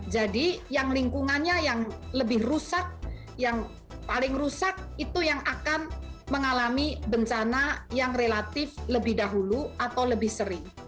jadi yang lingkungannya yang lebih rusak yang paling rusak itu yang akan mengalami bencana yang relatif lebih dahulu atau lebih sering